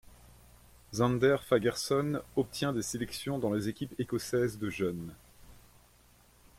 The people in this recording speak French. Zander Fagerson obtient des sélections dans les équipes écossaises de jeunes.